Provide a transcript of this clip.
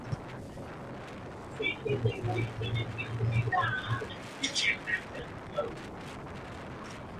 La riqueza de su dueño se percibe en los edificios que componen el área.